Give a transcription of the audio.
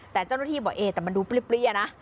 แต่เจ้าหน้าที่บอกเอ๊แต่มันดูเปรี้ยนะ